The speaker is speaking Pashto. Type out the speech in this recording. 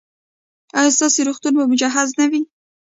ایا ستاسو روغتون به مجهز نه وي؟